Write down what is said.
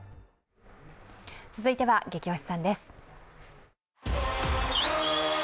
続いては「ゲキ推しさん」です。